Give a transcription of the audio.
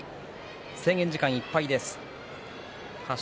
制限時間いっぱいです。